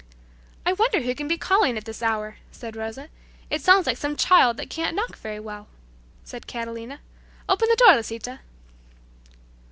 "I wonder who can be calling at this hour," said Rosa. "It sounds like some child that can't knock very well," said Catalina. "Open the door, Lisita!"